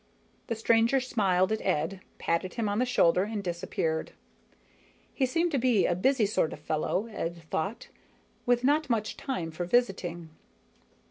The stranger smiled at Ed, patted him on the shoulder, and disappeared. He seemed to be a busy sort of fellow, Ed thought, with not much time for visiting.